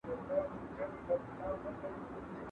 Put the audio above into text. ¬ پردى کټ تر نيمو شپو وي.